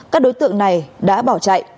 các đối tượng này đã bỏ chạy